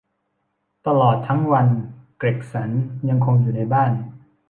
ตลอดทั้งวัน เกร็กสันยังคงอยู่ในบ้าน